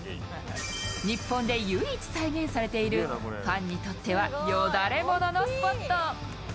日本で唯一再現されているファンにとってはよだれもののスポット。